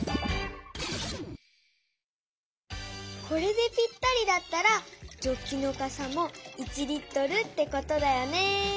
これでぴったりだったらジョッキのかさも１Ｌってことだよね。